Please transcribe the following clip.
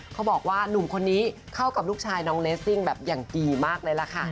เขาบอกว่าหนุ่มคนนี้เข้ากับลูกชายน้องเลสซิ่งแบบอย่างดีมากเลยล่ะค่ะ